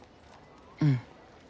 うん。